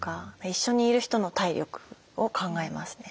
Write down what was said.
一緒にいる人の体力を考えますね。